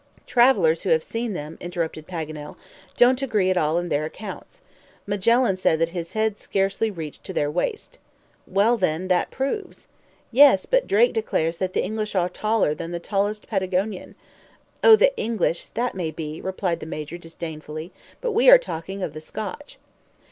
"Travelers who have seen them," interrupted Paganel, "don't agree at all in their accounts. Magellan said that his head scarcely reached to their waist." "Well, then, that proves." "Yes, but Drake declares that the English are taller than the tallest Patagonian?" "Oh, the English that may be," replied the Major, disdainfully, "but we are talking of the Scotch."